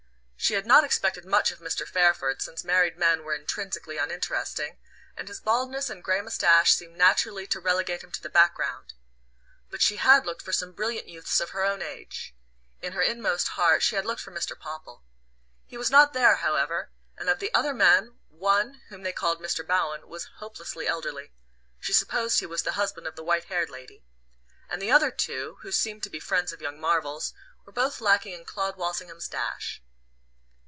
She had not expected much of Mr. Fairford, since married men were intrinsically uninteresting, and his baldness and grey moustache seemed naturally to relegate him to the background; but she had looked for some brilliant youths of her own age in her inmost heart she had looked for Mr. Popple. He was not there, however, and of the other men one, whom they called Mr. Bowen, was hopelessly elderly she supposed he was the husband of the white haired lady and the other two, who seemed to be friends of young Marvell's, were both lacking in Claud Walsingham's dash.